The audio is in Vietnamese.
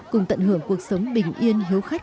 cùng tận hưởng cuộc sống bình yên hiếu khách